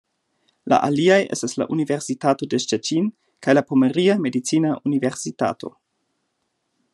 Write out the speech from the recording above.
La aliaj estas la Universitato de Szczecin kaj la Pomeria Medicina Universitato.